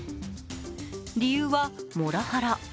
理由はモラハラ。